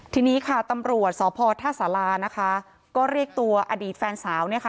ทีนี้ค่ะตำรวจสพท่าสารานะคะก็เรียกตัวอดีตแฟนสาวเนี่ยค่ะ